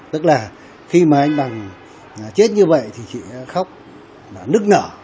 tức là khi mà anh bằng chết như vậy thì chị khóc nức nở